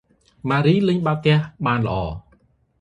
ម៉ារី លេងបាល់បោះបានល្អ ។